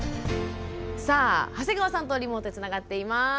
さあ長谷川さんとリモートでつながっています。